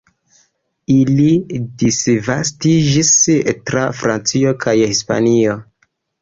Ili disvastiĝis tra Francio kaj Hispanio.